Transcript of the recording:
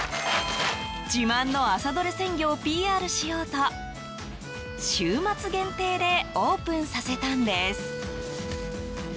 自慢の朝どれ鮮魚をＰＲしようと週末限定でオープンさせたんです。